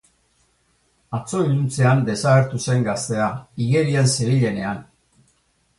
Atzo iluntzean desagertu zen gaztea, igerian zebilenean.